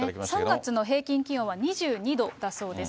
３月の平均気温は２２度だそうです。